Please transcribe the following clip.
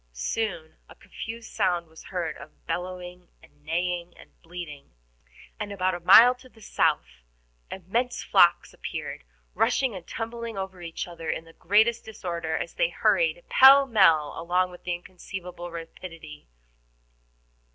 Soon a confused sound was heard of bellowing and neighing and bleating, and about a mile to the south immense flocks appeared, rushing and tumbling over each other in the greatest disorder, as they hurried pell mell along with inconceivable rapidity.